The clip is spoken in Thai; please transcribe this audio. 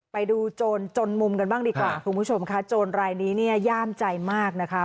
โจรจนมุมกันบ้างดีกว่าคุณผู้ชมค่ะโจรรายนี้เนี่ยย่ามใจมากนะคะ